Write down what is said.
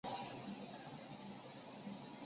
东北福祉大学网站